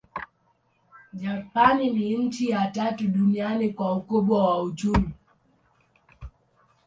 Japani ni nchi ya tatu duniani kwa ukubwa wa uchumi.